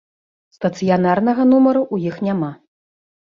Стацыянарнага нумару у іх няма.